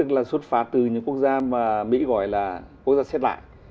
tức là xuất phát từ những quốc gia mà mỹ gọi là quốc gia xét lại